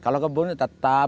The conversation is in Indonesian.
kalau kebun ini tetap